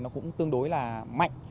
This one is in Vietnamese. nó cũng tương đối là mạnh